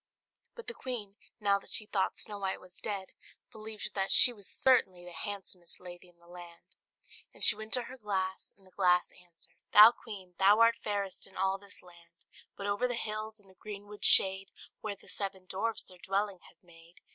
But the queen, now that she thought Snow White was dead, believed that she was certainly the handsomest lady in the land; and she went to her glass, and the glass answered, "Thou, Queen, thou art fairest in all this land; But over the hills, in the greenwood shade. Where the seven dwarfs their dwelling have made.